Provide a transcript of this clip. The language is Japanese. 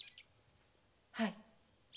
はい。